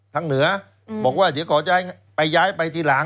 ทางเหนือบอกว่าเดี๋ยวขอไปย้ายไปทีหลัง